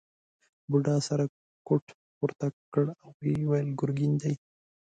بوډا سره کوټ پورته کړ او وویل ګرګین دی.